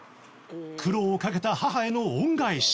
苦労をかけた母への恩返し